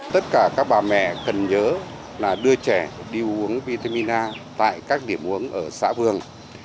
tất cả các bà mẹ cần nhớ là đưa trẻ đi uống vitamin a tại các điểm uống ở xã phường